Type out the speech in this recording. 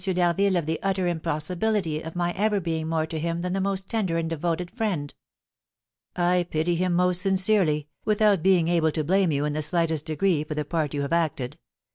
d'Harville of the utter impossibility of my ever being more to him than the most tender and devoted friend." "I pity him most sincerely, without being able to blame you in the slightest degree for the part you have acted.